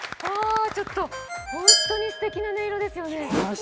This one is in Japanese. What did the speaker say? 本当にすてきな音色ですよね。